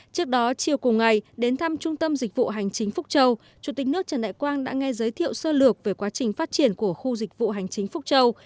trước đó chiều cùng ngày đến thăm trung tâm dịch vụ hành chính phúc châu chủ tịch nước trần đại quang đã nghe giới thiệu sơ lược về quá trình phát triển của khu dịch vụ hành chính phúc châu